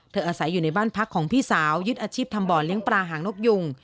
อาศัยอยู่ในบ้านพักของพี่สาวยึดอาชีพทำบ่อเลี้ยงปลาหางนกยุง